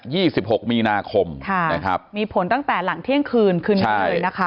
สิบหกมีนาคมค่ะนะครับมีผลตั้งแต่หลังเที่ยงคืนคืนนี้เลยนะคะ